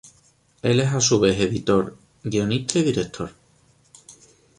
Él es a su vez editor, guionista y director.